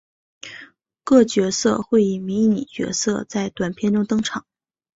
各角色会以迷你角色在短篇中登场。